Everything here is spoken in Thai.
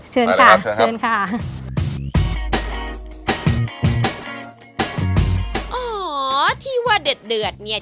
เชิญค่ะไปเลยครับเชิญค่ะอ๋อที่ว่าเดือดเดือดเนี้ย